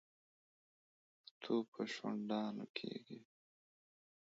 تو په شونډانو کېږي.